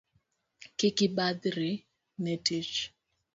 Kik ibadhri ne tich